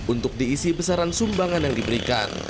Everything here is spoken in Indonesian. untuk diisi besaran sumbangan yang diberikan